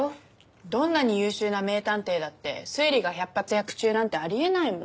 どんなに優秀な名探偵だって推理が百発百中なんてあり得ないもん。